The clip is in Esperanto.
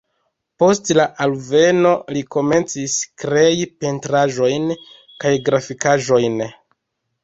Post la alveno li komencis krei pentraĵojn kaj grafikaĵojn.